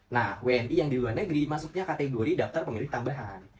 nah wni yang di luar negeri masuknya kategori daftar pemilih tambahan